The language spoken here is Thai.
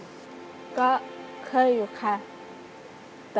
สวัสดีครับ